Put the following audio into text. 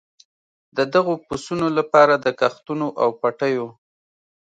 د دغو پسونو لپاره د کښتونو او پټیو.